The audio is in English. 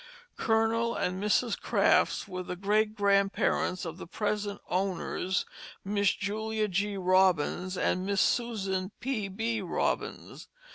Colonel and Mrs. Crafts were the great grandparents of the present owners, Miss Julia G. Robins and Miss Susan P. B. Robins.